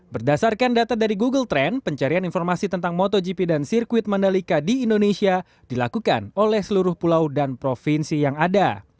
berdasarkan data dari google trend pencarian informasi tentang motogp dan sirkuit mandalika di indonesia dilakukan oleh seluruh pulau dan provinsi yang ada